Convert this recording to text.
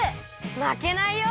まけないよ！